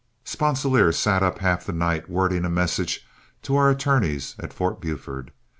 Sponsilier sat up half the night wording a message to our attorneys at Fort Buford.